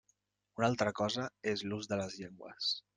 Una altra cosa és l'ús de les llengües.